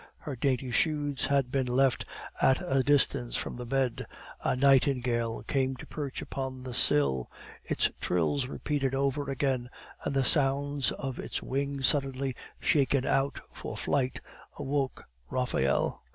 Her dainty shoes had been left at a distance from the bed. A nightingale came to perch upon the sill; its trills repeated over again, and the sounds of its wings suddenly shaken out for flight, awoke Raphael.